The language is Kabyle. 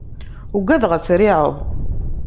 Ugadeɣ ad triεeḍ.